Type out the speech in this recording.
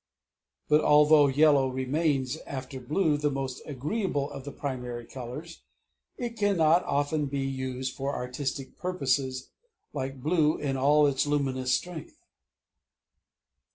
But although yellow remains, after blue, the most agreeable of the primary colors, it cannot often be used for artistic purposes, like blue, in all its luminous strength.